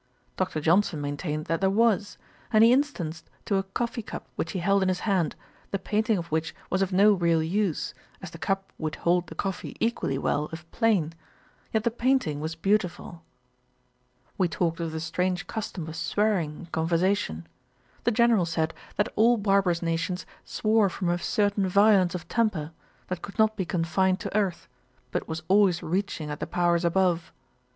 Dr. Johnson maintained that there was; and he instanced a coffee cup which he held in his hand, the painting of which was of no real use, as the cup would hold the coffee equally well if plain; yet the painting was beautiful. We talked of the strange custom of swearing in conversation. The General said, that all barbarous nations swore from a certain violence of temper, that could not be confined to earth, but was always reaching at the powers above.